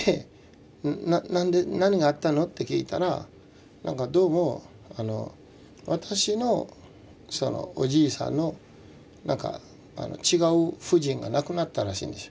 で何があったの？って聞いたらなんかどうも私のそのおじいさんの違う夫人がなくなったらしいんですよ。